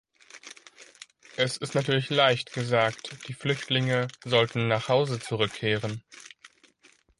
Es ist natürlich leicht gesagt, die Flüchtlinge sollten nach Hause zurückkehren.